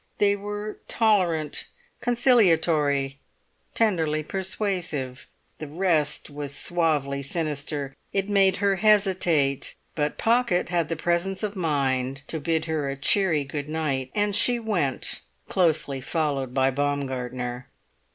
They were tolerant, conciliatory, tenderly persuasive. The rest was suavely sinister; it made her hesitate; but Pocket had the presence of mind to bid her a cheery good night, and she went, closely followed by Baumgartner.